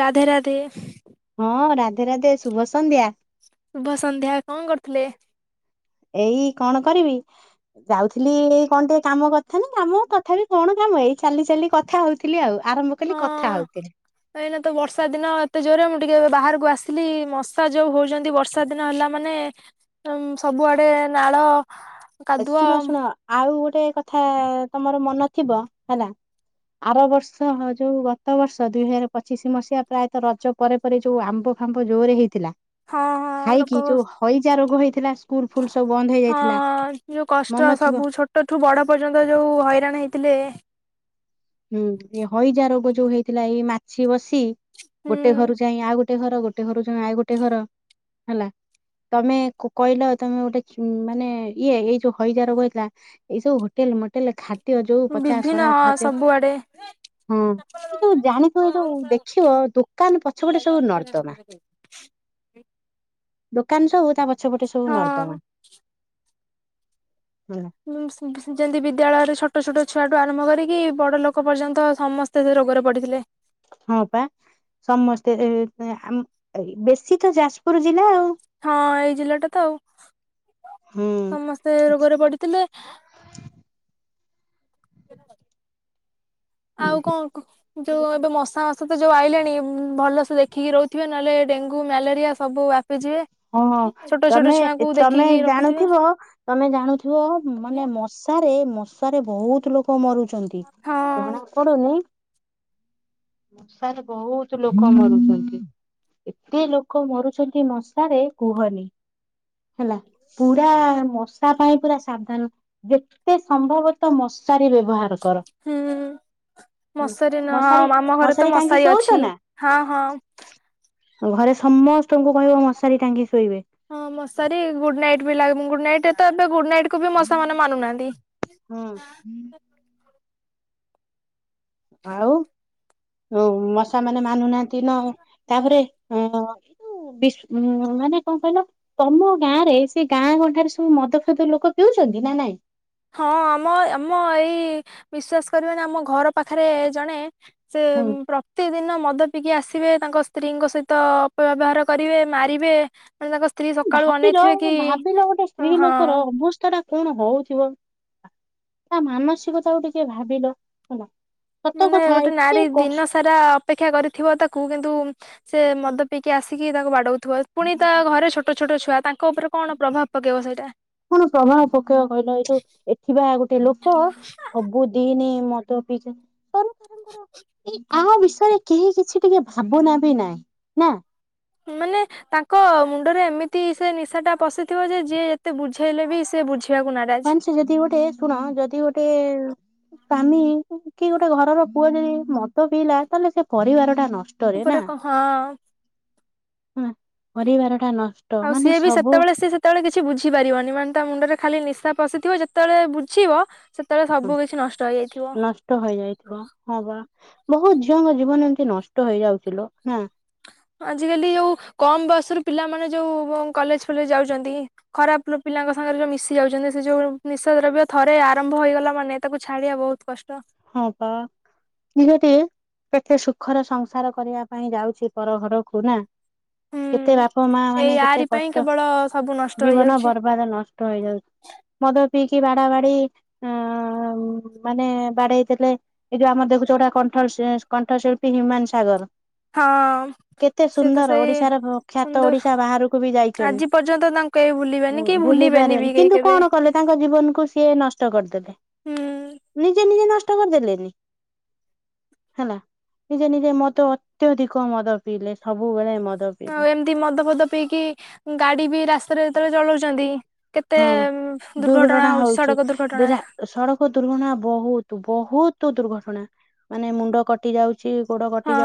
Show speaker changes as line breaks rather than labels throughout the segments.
ରାଧେ ରାଧେ।
ହଁ ରାଧେ ରାଧେ ଶୁଭ ସନ୍ଧ୍ୟା।
ଶୁଭ ସନ୍ଧ୍ୟା କଣ କରୁଥିଲେ?
ଏଇ କଣ କରିବି? ଯାଉଥିଲି କଣ ଟିକେ କାମ କରିଥାନ୍ତି କାମ ତଥାପି କଣ କାମ ଏଇ ଚାଲି ଚାଲି କଥା ହଉଥିଲି ଆଉ ଆରମ୍ଭ ମୁଁ କହିଲି କଥା
ହଁ
ହଉଥିଲି।
ଏଇନା ତ ବର୍ଷା ଦିନ ଏତେ ଜୋରରେ ମୁଁ ବାହାରକୁ ଆସିଥିଲି ମଶା ଯୋଉ ହଉଚ ନ୍ତି ବର୍ଷା ବର୍ଷା ଦିନ ହେଲା ମାନେ ସବୁଆଡେ ନାଳ
ଏ
କାଦୁଅ
ଶୁଣ ଶୁଣ ଆଉ ଗୋଟେ କଥା ତମର ମନ ଥିବ ହେଲା ଆର ବର୍ଷ ଯୋଉ ଗତ ବର୍ଷ ଦୁଇ ହଜାର ପଚିଶି ମସିହା ପ୍ରାୟତଃ ରଜ ପରେ ପରେ ଯୋଉ ଆମ୍ବ ଫାମ୍ବ ଜୋରେ ହେଇଥିଲା।
ହଁ ହଁ ଲୋକ
ଖାଇକି
ହଁ
ଯୋଉ ହଇଜା ରୋଗ ହେଇଥିଲା ସ୍କୁଲ ଫୁଲ୍ ସବୁ ବନ୍ଦ ହେଇଯାଇଥିଲା।
ହଁ ଯୋଉ କଷ୍ଟ
ମନ ଥିବ।
ସବୁ ଛୋଟଠୁ ବଡ ପର୍ଯ୍ୟନ୍ତ ଯୋଉ ହଇରାଣ ହେଇଥିଲେ।
ହୁଁ ଏ ହଇଜା ରୋଗ ଯୋଉ ହେଇଥିଲା ଏଇ ମାଛି ବସି
ହୁଁ
ଗୋଟେ ଘରୁ ଯାଇ ଆଉ ଗୋଟେ ଘର ଗୋଟେ ଘରୁ ଜଣେ ଆଉ ଗୋଟେ ଘର ହେଲା ତମେ କହିଲ ତମେ ଗୋଟେ ମାନେ ଇଏ ଏଇ ଯୋଉ ହଇଜ ର କଥିଲା ଏଇ ସବୁ ହୋଟେଲ ମୋଟେଲ ଖାଦ୍ୟ ଯୋଉ ପଚା ସଢା ଖାଦ୍ୟ
କୁଆଡ଼େ
ହଁ ଏଇ ଯୋଉ ଜାଣିଥିବ ଏ ଯୋଉ ଦେଖିବ ଦୋକାନ ପଛପଟେ ସବୁ ନର୍ଦ୍ଦମା। ଦୋକାନ ସବୁ ତା ପଛ ପଟେ ସବୁ
ହଁ
ନର୍ଦମା। ହୁଁ।
ଉ ଯେମିତି ବିଦ୍ୟାଳୟରେ ଛୋଟ ଛୋଟ ଛୁଆଠୁ ଆରମ୍ଭ କରିକି ବଡ ଲୋକ ପର୍ଯ୍ୟନ୍ତ ସମସ୍ତେ ସେ ରୋଗରେ ପଡିଥିଲେ।
ହଁ ପା ସମସ୍ତେ ବେଶୀ ତ ଯାଜପୁର ଜିଲ୍ଲା ଆଉ।
ହଁ ଏଇ ଜିଲ୍ଲା ଟା ତ ଆଉ
ହୁଁ
ସମସ୍ତେ ରୋଗରେ ପଡ଼ିଥିଲେ।
[inaudible]
ଆଉ କଣ ଯୋଉ ଏବେ ମଶା ମାସ ତ ଯୋଉ ଆଇଲାଣି ଭଲସେ ଦେଖିକି ରହୁଥିବେ ନହେଲେ ଡେଙ୍ଗୁ ମ୍ୟାଲେରିଆ ସବୁ ବ୍ୟାପି ଯିବେ।
ହଁ ତମେ ତମେ
ରଖୁଥିବେ
ଜାଣୁଥିବ ତମେ ଜାଣୁଥିବ ମାନେ ମ ମଶାରେ ମଶାରେ ବହୁତ ଲୋକ ମରୁଛନ୍ତି
ହଁ
ଜଣା ପଡୁନି। [inaudible] ମଶାରେ ବହୁତ ଲୋକ ମରୁଚନ୍ତି ଏତେ ଲୋକ ମରୁଛନ୍ତି ମ ମଶାରେ କୁହନି ହେଲା ପୁରରା ମଶା ପାଇଁ ପୁରା ସାବଧାନ ଯେତେ ସମ୍ଭବତଃ ମଶାରୀ ବ୍ୟବହାର କର।
ହୁଁ ମଶାରୀ ନୁହଁ
ମଶାରୀ
ଆମ ଘରେ ତ
ମଶାରୀ ଟାଙ୍ଗି ଶୋଉଚ
ଅଛି
ନା।
ହଁ ହଁ
ଘରେ ସମସ୍ତଙ୍କୁ କହିବ ମଶାରୀ ଟାଙ୍ଗି ଶୋଇବେ।
ହଁ ମଶାରୀ ଗୁଡ୍ ନାଇଟ୍ ବି ଲ ଗୁଡ୍ ନାଇଟ୍ ତ ଏବେ ଗୁଡ୍ ନାଇଟ୍ କୁ ବି ମଶା ମାନେ ମାନୁନାହାନ୍ତି।
ହୁଁ। ଆଉ। ଓ ମଶା ମାନେ ମାନୁନାହାନ୍ତି ନ ତାପରେ ଅ। ବି ମାନେ କଣ କହିଲ। ତମ ଗାଁ ରେ ସେ ଗାଁ ଗଣ୍ଠାରେ ସବୁ ମଦ ଫଦ ଲୋକ ପିଉଛନ୍ତି ନା ନାଇଁ।
ହଁ ଆମ ଆମ ଏଇ ବିଶ୍ଵାସ କରିବନି ଆମ ଘର ପାଖରେ ଜଣେ। ସେ
ହୁଁ
ପ୍ର। ପ୍ରତି ଦିନ ମଦ ପିଇକି ଆସିବେ ତାଙ୍କ ସ୍ତ୍ରୀଙ୍କ ସହିତ ଅପବ୍ୟବହାର କରିବେ ମାରିବେ। ମାନେ ତାଙ୍କ ସ୍ତ୍ରୀ। ସକାଳୁ
ଭାବିଲ
ଅନେଇଥିବେ କି
ଭାବିଲ ଗୋଟେ ସ୍ତ୍ରୀ
ହଁ
ଲୋକର ଅବସ୍ଥା। ତ ଟା କଣ ହଉଥିବ ତା ମାନସିକତାକୁ ଟିକେ ଭାବିଲ ହେଲା। ସତ
ମାନେ
କଥା
ଗୋଟେ
ଏତେ
ନାରୀ
କଷ୍
ଦିନ ସାରା। ସାରା ଅପେକ୍ଷା କରିଥିବ ତାକୁ କିନ୍ତୁ ସେ ମଦ ପିଇକି ଆସିକି ତାକୁ ବାଡଉଥିବ। ପୁଣି ତା ଘରେ ଛୋଟ ଛୋଟ ଛୁଆ ତାଙ୍କ ଉପରେ କଣ ପ୍ରଭାବ ପକେଇବ ସେଇଟା।
କଣ ପ୍ରମାଣ ପକ୍ଷ କହିଲ ଏଇ ଯୋଉ ଏଠୀବା ଆଉ ଗୋଟେ ଲୋକ। ସବୁ ଦିନ ମଦ ପିଇକି। ଏ କାହା ବିଷୟରେ କେହି କିଛି ଟିକେ ଭାବନା ବି ନାହିଁ ନା।
ମାନେ। ତାଙ୍କ ମୁଣ୍ଡରେ ଏମିତି ସେ ନିଶା ଟା ପଶିଥିବ ଯେ ଯିଏ ଯେତେ ବୁଝେଇଲେ ବି ସେଏ ବୁଝିବାକୁ ନାହିଁ।
ହ ସେ ଯଦି ଗୋଟେ ଶୁଣ ଯଦି ଗୋଟେ। ସ୍ୱାମୀ କି ଗୋଟେ ଘରର ପୁଅ ଯଦି ମଦ ପିଇଲା ତାହେଲେ ସେ ପରିବାର ଟା ନଷ୍ଟ।
ଉପ ପର କ ହଁ।
ହ ପରିବାର ଟା ନଷ୍ଟ
ଆଉ
ମାନେ
ସିଏ ବି
ସବୁ।
ସେତେବେଳେ ସିଏ ସେତେବେଳେ କିଛି ବୁଝିପାରିବନି ମାନେ ତା ମୁଣ୍ଡରେ ଖାଲି ନିଶା ପଶିଥିବ ଯେତେବେଳେ ବୁଝିବ। ସେତେବେଳେ ସବୁ କିଛି ନଷ୍ଟ ହେଇଯାଇଥିବ।
ନଷ୍ଟ ହେଇଯାଇଥିବ ହଁ ବା ବହୁତ ଝିଅଙ୍କ ଜୀବନ ଏମତି ନଷ୍ଟ ହେଇ ଯାଉଚି ଲୋ ନା।
ଆଜିକାଲି ଯେଉ କମ୍ ବୟସରୁ ପିଲାମାନେ ଯେଉଁ କଲେଜ ଫଲେଜ୍ ଯାଉଛନ୍ତି। ଖରାପ ପିଲାଙ୍କ ସାଙ୍ଗରେ ଯୋଉ ମିଶି ଯାଉଛନ୍ତି ସେ ଯୋଉ ନିଶା ଦ୍ରବ୍ୟ ଥରେ ଆରମ୍ଭ ହେଇଗଲା ମାନେ ତାକୁ ଛାଡିଆ ବହୁତ। କଷ୍ଟ।
ହଁ ବା ନିହାତି। କେତେ ସୁଖର ସଂସାର କରିବା ପାଇଁ ଯାଉଛି ପର ଘରକୁ ନା।
ହୁଁ।
କେତେ ବାପା ମା ମାନେ
ଏଇ
କେତେ
ଆରି ପାଇଁ
କଷ୍ଟ
କେବଳ ସବୁ ନଷ୍ଟ
ଜୀବନ
ହେଇଯାଉଛି
ବର୍ବାଦ ନଷ୍ଟ। ଟଇଯାଉଛି ମଦ ପିଇକି ବାଡ଼ା ବାଡ଼ି ଆ ମାନେ ବାଡ଼େଇ ଥିଲେ। ଏଇ ଯୋଉ ଆମର ଦେଖୁଛ ଗୋଟେ କଣ୍ଠଳ୍ କଣ୍ଠଶିଳ୍ପୀ ହ୍ୟୁମାନ ସାଗର
ହଁ
କେତେ
ସେ ତ
ସୁନ୍ଦର
ସେଇ
ଓଡ଼ିଶାର ଖ୍ୟାତ
ସୁନ୍ଦର
ଓଡ଼ିଶା ବାହାରକୁ ବି ଯାଇଚନି।
କେଇ ବୁଲିବେ
ଓ ଭୁଲି ପାରିବେନି। କିନ୍ତୁ କଣ କଲେ ତାଙ୍କ ଜୀବନକୁ ସିଏ ନଷ୍ଟ କରିଦେଲେ।
ହୁଁ।
ନିଜେ ନିଜେ ନଷ୍ଟ କରିଦେଲେନି? ହେଲା, ନିଜେ ନିଜେ ମଦ ଅତ୍ୟଧିକ ମଦ ପିଇଲେ ସବୁବେଳେ ମଦ
ଆଉ
ପିଇଲେ
ଏମିତି ମଦ ଫଦ ପିଇକି ଗାଡ଼ି ବି ରାସ୍ତାରେ ଯେତେଳେ ଚଲଉଛନ୍ତି କେତେ
ହଁ।
ଦୁର୍ଘଟଣା ହୋଉଛି
ହଉଛି
ସଡ଼କ ଦୁର୍ଘଟଣା।
ଦିରା ସଡ଼କ ଦୁର୍ଘଟଣା ବହୁତ ବହୁତ ଦୁର୍ଘଟଣା ମାନେ ମୁଣ୍ଡ କଟି ଯାଉ
ହଁ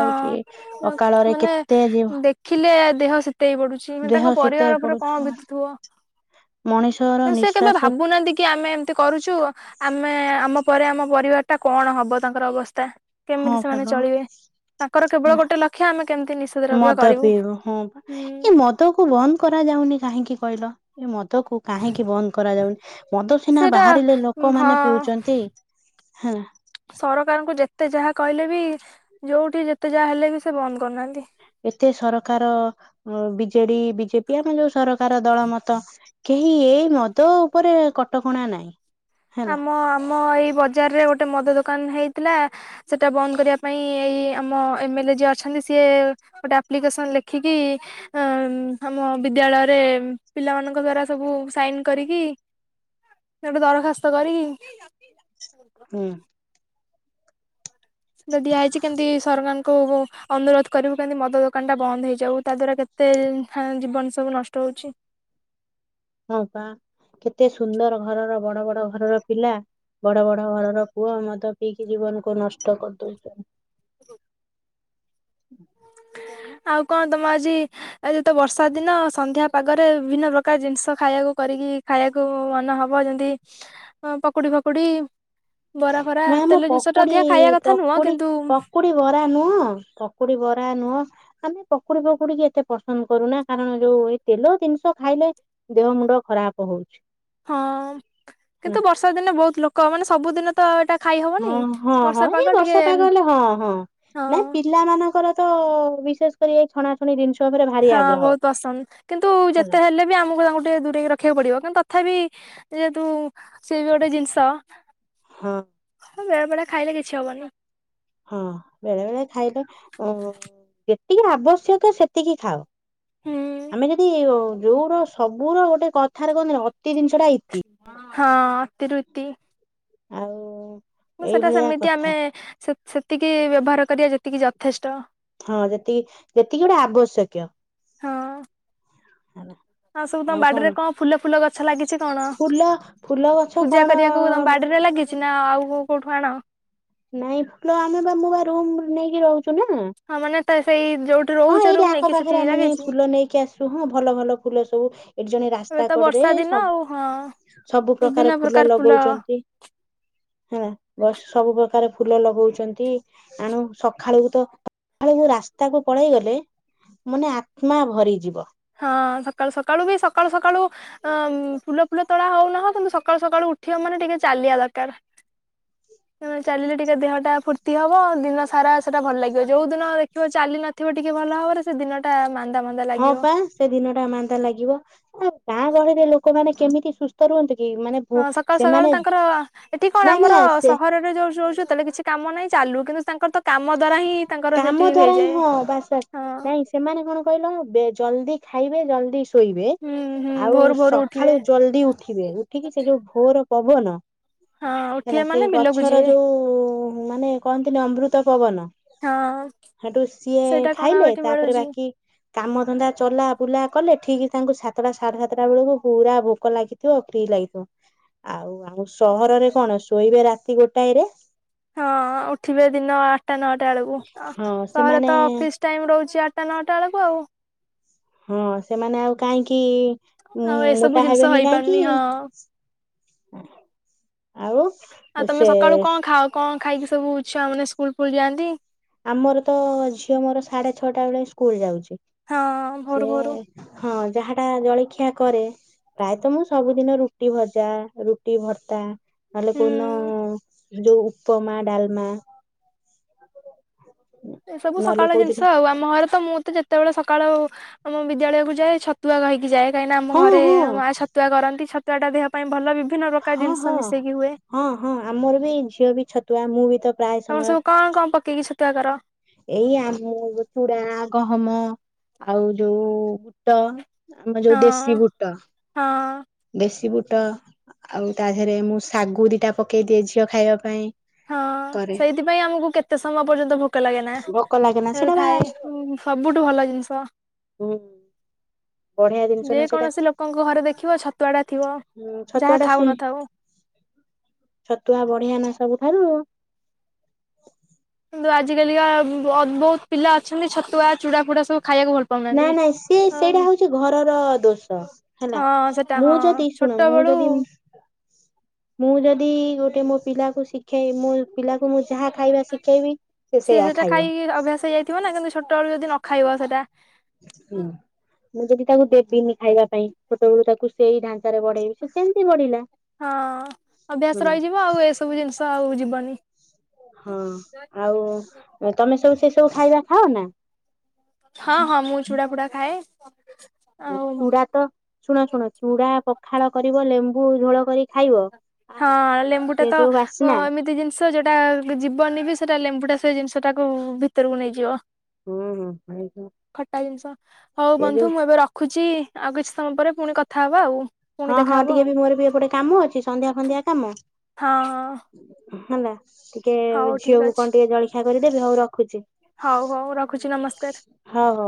ମାନେ
କେତେ
ଦେଖିଲେ ଦେହ ସି ତେଇ ପଡ଼ୁଛି ମାନେ
ଦେହ
ତାଙ୍କ
ଶୀତେଇ
ପରିବାର ଉପରେ
ପଡୁଛି
କଣ ବିତୁଥିବ?
ମଣିଷର
ସେ କେବେ
ନିଃଶ୍ଵାସ
ଭାବୁନାହାନ୍ତି କି ଆମେ ତି କରୁଛୁ ଆମେ ଆମ ପରେ ଆମ ପରିବାର ଟା କଣ ହବ ତାଙ୍କର ଅବସ୍ଥା।
ହଁ
କେମିତି ସେମାନେ
ଭଲ
ଚଳିବେ? ତାଙ୍କର କେବଳ ଗୋଟେ ଲକ୍ଷ୍ୟ ଆମେ କେମତି ନି
ମଦ ପିଇବ ହଁ ପା। ଏ ମଦ କୁ ବନ୍ଦ କରାଯାଉନି କାହିଁକି କହିଲ? ଏ ମଦ ମଦ କୁ କାହିଁକି ବନ୍ଦ କରାଯାଉନି ମଦ ସିନା
ସେଟା
ବାହାରିଲେ
ଉଁ, ହଁ
ଲୋକମାନେ ପିଉଛନ୍ତି। ହେଲା।
ସରକାରଙ୍କୁ ଯେତେ ଯାହା କହିଲେ ବି ଯୋଉଠି ଯେତେ ଯାହା ହେଲେ ବି ସେ ବନ୍ଦ କରୁନାହାଁନ୍ତି।
ଏତେ ସରକାର ବିଜେଡ଼ି ବିଜେପି ଆମ ଯୋଉ ସରକାର ଦଳ ମତ କେହି ଏଇ ମଦ ଉପରେ କଟକଣା ନାଇଁ ହେଲା।
ଆମ ଆମ ଏଇ ବଜାରରେ ଗୋଟେ ମଦ ଦୋକାନ ହେଇଥିଲା ସେଟା ବନ୍ଦ କରିବା ପାଇଁ ଏଇ ଆମ ଏମଏଲ୍ ଏ ଯିଏ ଅଛନ୍ତି ସିଏ ଗୋଟେ ଆପ୍ଲିକେସନ ଲେଖିକି ଅ ଆମ ବିଦ୍ୟାଳୟରେ ପିଲାମାନଙ୍କ ଦ୍ଵାରା ସବୁ ସାଇନ କରିକି ଗୋଟେ ଦରଖାସ୍ତ କରିକି
ହୁଁ।
ସେଟା ଦିଆ ହୋଇଛି କେମିତି ସରକାରଙ୍କୁ ଅନୁରୋଧ କରିବୁ କେମିତି ମଦ ଦୋକାନଟା ବନ୍ଦ ହେଇଯାଉ ତା ଦ୍ୱାରା କେତେ ଜୀବନ ସବୁ ନଷ୍ଟ ହୋଉଛି।
ହଁ ପା କେତେ ସୁନ୍ଦର ଘରର ବଡ଼ ବଡ଼ ଘରର ପିଲା ବଡ଼ ବଡ଼ ଘରର ପୁଅ ମଦ ପିଇକି ଜୀବନକୁ ନଷ୍ଟ କରିଦଉଛନ୍ତି।
ଆଉ କଁ ତମ ଆଜି ଆଜି ତ ବର୍ଷା ଦିନ ସନ୍ଧ୍ୟା ପାଗରେ ବିଭିନ୍ନ ପ୍ରକାର ଜିନିଷ ଖାଇଆକୁ କରିକି ଖାଇଆକୁ ମନେ ହବ ଯେମିତି ପକୁଡ଼ି ଫକୁଡ଼ି ବରା ଫରା
ନା ଆମ
ତେଲ ଜିନିଷଟା ଅଧିକା ଖାଇବା କଥା ନୁହଁ କିନ୍ତୁ
ପକୁଡ଼ି ବରା ନୁହଁ ପକୁଡ଼ି ବରା ନୁହଁ ଆମେ ପକୁଡ଼ି ଫକୁଡ଼ି କି ଏତେ ପସନ୍ଦ କରୁନା କାରଣ ଯୋଉ ଏଇ ତେଲ ଜିନିଷ ଖାଇଲେ ଦେହ ମୁଣ୍ଡ ଖରାପ ହୋଉଛି।
ହଁ କିନ୍ତୁ ବର୍ଷା ଦିନେ ବହୁତ ଲୋକ ମାନେ ସବୁଦିନ ତ ଏଟା ଖାଇ ହ
ହଁ ହଁ ହଁ ଏଇ ବର୍ଷା ପାଗ ହେଲେ ହଁ ହଁ
ହଁ
ନାଇଁ ପିଲା ମାନଙ୍କର ତ ବିଶେଷ କରି ଏଇ ଛଣା ଛଣି ଜିନିଷ ଉପରେ ଭାରି
ହଁ
ଆଗ୍ରହ।
ବହୁତ ପସନ୍ଦ କିନ୍ତୁ
ହେଲା
ଯେତେ ହେଲେ ବି ଆମକୁ ତାଙ୍କୁ ଟିକେ ଦୂରେଇକି ରଖି ଦେଖିବାକୁ ପଡିବ କିନ୍ତୁ ତଥାପି ଯେହେତୁ ସେ ବି ଗୋଟେ ଜିନିଷ
ହଁ।
ବେଳେ ବେଳେ ଖାଇଲେ କିଛି ହବ ନି।
ହଁ ବେଳେ ବେଳେ ଖାଇଲେ ଯେତିକି ଆବଶ୍ୟକ ସେତିକି ଖାଅ।
ହୁଁ
ଆମେ ଯଦି ବୋଉର ସବୁର ଗୋଟେ କଥାରେ କହନ୍ତିନି ଅତି ଜିନିଷଟା ଇତି।
ହଁ ଅତିରୁ ଇତି।
ଆଉ।
ମୁ ସେଟା
ଏଇଭଳିଆ
ସେମିତି
କଥା
ଆମେ ସେ-ସେତିକି ବ୍ୟବହାର କରିବା ଯେତିକି ଯଥେଷ୍ଟ।
ହଁ ଯେତିକି ଯେତିକି ଗୋଟା ଆବଶ୍ୟକୀୟ
ହଁ
ହେଲା।
ଆଉ ସବୁ ତମ ବାଡିରେ କଣ ଫୁଲ ଫୁଲ ଗଛ ଲାଗି ଅଛି କଣ?
ଫୁଲ ଫୁଲ ଗଛ
ପୂଜା
କଣ
କରିବାକୁ ତମ ବାଡିରେ ଲାଗିଛି ନା ଆଉ କୋଉ କୋଉଠୁ ଆଣ?
ନାଇଁ ଫୁଲ ଆମେ ବା ମୁଁ ବା ରୁମ ନେଇକି ରହୁଚୁ ନା।
ହଁ ମାନେ ତ ସେଇ ଯୋଉ
ହଁ ଏଇଠି ଆଖପାଖରେ ଆମେ ଯାଇ ଫୁଲ ନେଇକି ଆସୁ। ହଁ ଭଲ ଭଲ ଫୁଲ ସବୁ ଏଇଠି ଜଣେ ରା
ଏବେ ତ ବର୍ଷା ଦିନ। ଆଉ ହଁ।
ସବୁ ପ୍ରକାର ଫୁଲ ଲଗଉଚନ୍ତି। ହେଲା। ସବୁ ପ୍ରକାର ଫୁଲ ଲଗଉଛନ୍ତି। ଆଣୁ ସକାଳକୁ ତ ସକାଳ ରାସ୍ତାକୁ ପଳେଇ ଗଲେ ମାନେ ଆତ୍ମା ଭରିଯିବ।
ହଁ ସକାଳୁ ସକାଳୁ ବି ସକାଳୁ ସକାଳୁ ଅ ଫୁଲ ଫୁଲ ତୋଳା ହଉନାହଁ କିନ୍ତୁ ସକାଳୁ ସକାଳୁ ଉଠିବ ମାନେ ଟିକେ ଚାଲିବା ଦରକାର। ଚାଲିଲେ ଟିକେ ଦେହଟା ଫୁର୍ତ୍ତି ହବ। ଦିନ ସାରା ସେଟା ଭଲ ଲାଗିବ। ଯୋଉ ଦିନ ଦେଖିବ ଚାଲି ନ ଥିବ ଟିକେ ଭଲ ଭାବରେ। ସେ ଦିନଟା ମାନ୍ଦା ମାନ୍ଦା
ହଁ
ଲାଗିବ।
ପା ସେ ଦିନଟା ମାନ୍ଦା ଲାଗିବ। ଆ ଗାଁ ଗହଳିରେ ଲୋକମାନେ କେମିତି ସୁସ୍ଥ ରୁହନ୍ତି କି ମାନେ ଭୁ
ହଁ ସକାଳୁ ସକାଳୁ
ସେମାନେ
ତାଙ୍କର ଏଠି କଣ
ନା ନା
ଆମର
ସେ
ସହର [unintelligible] କିଛି କାମ ନାହିଁ ଚାଲୁ କିନ୍ତୁ ତାଙ୍କର ତ କାମ ଦ୍ଵାରା ହିଁ ତାଙ୍କର
କାମ
ସେଠି
ଦ୍ଵାରା ହିଁ
ହେଇଯାଏ,
ହଁ ବାସ୍ ବାସ୍
ହଁ।
ନାଇଁ ସେମାନେ କଣ କହିଲ ଜଲଦି ଖାଇବେ ଜଲଦି ଶୋଇବେ?
ହୁଁ ହୁଁ
ଆଉ
ଭୋରୁ ଭୋରୁ ଉଠିବେ
ସକାଳୁ ଜଲଦି ଉଠିବେ। ଉଠିକି ସେ ଯୋଉ ଭୋର୍ ପବନ
ହଁ
ହେଲା।
ଉଠିବେ
ସେ
ମାନେ ବିଲକୁ
ଗଛର
ଯିବେ
ଯୋଉ ମାନେ କହନ୍ତିନି ଅମୃତ ପବନ।
ହଁ
ସେଠୁ ସିଏ
ସେଇଟା କଣ ଆଉ
ଖାଇଲେ।
ଏଠି
ତା ପରେ
ମିଳୁଛି
ବାକି କାମଧନ୍ଦା ଚଲା ବୁଲା କଲେ। ଠିକ୍ ତାଙ୍କୁ ସାତଟା ସାଢେ ସାତଟା ବେଳକୁ ପୁରା ଭୋକ ଲାଗି ଥିବ ଫ୍ରୀ ଲାଗିଥିବ। ଆଉ ଆଉ ସହରରେ କଣ ଶୋଇବେ ରାତି ଗୋଟାଏରେ
ହଁ ଉଠିବେ ଦିନ ଆଠଟା ନଅଟା ବେଳକୁ।
ହଁ
ସହରେ
ସେମାନେ
ତ ଅଫିସ ଟାଇମ୍ ରହୁଚି ଆଠଟା ନଅଟା ବେଳକୁ ଆଉ।
ହଁ ସେମାନେ ଆଉ କାହିଁକି
ଆଉ ଏସବୁ
ମୋଟା
ଜିନିଷ
ହେବେନି,
ହେଇପାରୁନି ହଁ
କାହିଁକି? ଆଉ
ଆଉ ତମେ
ସେ
ସକାଳୁ କଣ ଖାଅ କଣ ଖାଇକି ସବୁ ଛୁଆମାନେ ସ୍କୁଲକୁ ଯାଆନ୍ତି?
ଆମର ତ ଝିଅ ମୋର ସାଢେ ଛଅଟା ବେଳେ ସ୍କୁଲ ଯାଉଛି।
ହଁ ଭୋରୁ ଭୋରୁ
ସିଏ ହଁ ଯାହାଟା ଜଳଖିଆ କରେ ପ୍ରାୟତଃ ମୁଁ ସବୁଦିନ ରୁଟି ଭଜା, ରୁଟି ଭର୍ତ୍ତା। ନ ହେଲେ
ହୁଁ
କୋଉ ଦିନ ଯୋଉ ଉପମା ଡାଲମା।
ଏ ସବୁ
ନହେଲେ
ସକାଳ ଜିନିଷ
କୋଉଦିନ
ଆଉ। ମୋହର ତ ମୁଁ ତ ଯେତେବେଳେ ସକାଳୁ ଆମ ବିଦ୍ୟାଳୟକୁ ଯାଏ, ଛତୁଆ ଖାଇକି ଯାଏ। କାହିଁକିନା ଆମ
ହଁ
ଘରେ
ହଁ
ମାଆ ଛତୁଆ କରନ୍ତି ଛତୁଆ ଟା ଦେହ ପାଇଁ ଭଲ ବିଭିନ୍ନ ପ୍ରକାର
ହଁ ହଁ
ଜିନିଷ ମିଶେଇକି ହୁଏ।
ହଁ ହଁ ଆମର ବି ଝିଅ ବି ଛତୁଆ ମୁଁ ବି ତା
ତମର ସବୁ କଣ କଣ ପେଇକି ସତୁଆ କର।
ଏଇ ଆମ ଚୁଡା ଗହମ ଆଉ ଯୋଉ ବୁଟ। ଆମର
ହଁ
ଯୋଉ ଦେଶୀ ବୁଟ।
ହଁ।
ଦେଶୀ ବୁଟ ଆଉ ତା ଦେହରେ ମୁଁ ଶାଗୁ ଦିଟା ପକେଇ ଦିଏ ଝିଅ ଖାଇବା ପାଇଁ।
ହଁ
କରେ
ସେଇଥିପାଇଁ ଆମକୁ କେତେ ସମୟ ପର୍ଯ୍ୟନ୍ତ ଭୋକ ଲାଗେ ନା।
ଭୋକ ଲାଗେ ନା ସେଇଟା ବା
ଥାଏ ଉଁ ସବୁଠୁ ଭଲ ଜିନିଷ।
ବଢିଆ ଜିନିଷ
ଯେ
ନା ସେଇଟା
କୌଣସି ଲୋକଙ୍କ ଘରେ ଦେଖିବ ଛତୁଆ ଟା ଥିବ
ହୁଁ ଛତୁଆ
ଯାହା
ଟା
ଥାଉ
ସୁଣୁ
ନଥାଉ
ଛତୁଆ ବଢିଆ ନା ସବୁଠାରୁ।
କିନ୍ତୁ ଆଜିକାଲିକା ଅ ବୋହୁତ ପିଲା ଅଛନ୍ତି ଛତୁଆ ଚୁଡ଼ା ଫୁଡା ସବୁ ଖାଇବାକୁ ଭଲ
ନା
ପାଉନାହାନ୍ତି।
ନାଇଁ ସିଏ ସେଇଟା ହଉଚି ଘରର ଦୋଷ ହେଲା।
ହଁ ସେଟା ହଁ
ମୁଁ ଯଦି ଶୁଣ
ଛୋଟ
ମୁଁ
ବେଳୁ
ଯଦି ମୁଁ ଯଦି ଗୋଟେ ମୋ ପିଲାକୁ ଶିଖେଇ ମୁଁ ପିଲାକୁ ମୁଁ ଯାହା ଖାଇବା ଶିଖେଇବି ସେ ସେୟା ଖାଇବ।
କି ଅଭ୍ୟାସ ହେଇଯାଇ ଥିବ ନା କିନ୍ତୁ ଛୋଟଏଳୁ ଯଦି ନ ଖାଇବ ସେଇଟା।
ହୁଁ ମୁଁ ଯଦି ତାକୁ ଦେବିନି ଖାଇବା ପାଇଁ ଛୋଟଏଳୁ ତାକୁ ସେଇ ଢାଞ୍ଚାରେ ବଢେ ଇ ସେ ସେମତି ବଢିଲା ହୁ।
ସବୁ ଜିନିଷ ଆଉ ଯିବନି।
ହଁ ଆଉ ତମେ ସବୁ ସେ ସବୁ ଖାଇବା ଖାଅ ନା।
ହଁ ହଁ ମୁଁ ଚୁଡ଼ା ପୁଡା ଖାଏ। ଆଉ
ଚୁଡା ତ ଶୁଣ ଶୁଣ ଚୁଡା ପଖାଳ କରିବ ଲେମ୍ବୁ ଝୋଳ କରି ଖାଇବ।
ହଁ
ଆହା
ଲେମ୍ବୁ ଟା
ସେ
ତ
ଯୋଉ
ଅ
ବାସ୍ନା
ଏମିତି ଜିନିଷ ଷ ଯଉଟା ଯିବନି ବି ସେଟା ଲେମ୍ବୁଟା ସେ ଜିନିଷ ଟାକୁ ଭିତରକୁ ନେଇଯିବ।
ହୁଁ ହୁଁ ଭାଇ
ଖଟା ଜିନିଷ ହଉ
ସେ
ବନ୍ଧୁ
ଯୋଉ
ମୁଁ ଏବେ ରଖ ଖୁଛି ଆଉ କିଛି ସମୟ ପରେ ପୁଣି କଥାହବା ଆଉ। ପୁଣି
ହଁ ହଁ
ଦେଖାହବ
ଟିକେ
ଆଉ
ବି ମୋର ବି ଏପଟେ କାମ ଅଛି ସନ୍ଧ୍ୟା ଫନ୍ଧ୍ୟା କାମ।
ହଁ।
ହେଲା ଟିକେ
ହଉ ଠିକ
ଝିଅକୁ
ଅଛି
କଣ ଟିକେ ଜଳଖିଆ କରିଦେବି ହଉ ରଖୁଚି।
ହଉ ହଉ ରଖୁଛି ନମସ୍କାର।
ହ ହଉ।